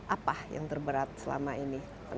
apa yang terberat selama ini